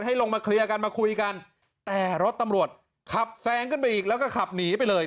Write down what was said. ให้ลงมาเคลียร์กันมาคุยกัน